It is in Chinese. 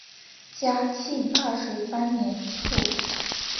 嘉庆二十三年卒。